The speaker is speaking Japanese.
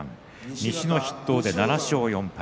西の筆頭で７勝４敗。